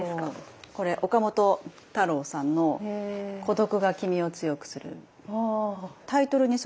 これ岡本太郎さんの「孤独がきみを強くする」。